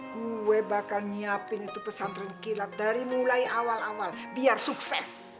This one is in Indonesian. kue bakal nyiapin itu pesantren kilat dari mulai awal awal biar sukses